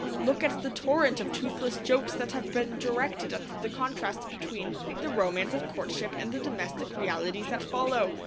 Look at the torrent of toothless jokes that have been directed at the contrast between the romance of courtship and the domestic realities that follow.